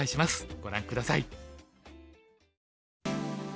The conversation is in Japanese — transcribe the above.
ご覧下さい。